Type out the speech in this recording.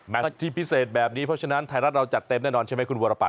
ที่พิเศษแบบนี้เพราะฉะนั้นไทยรัฐเราจัดเต็มแน่นอนใช่ไหมคุณวรปัต